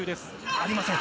ありません。